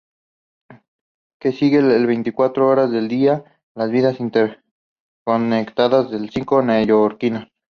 Que sigue las veinticuatro horas del día, las vidas interconectadas de cinco neoyorquinos.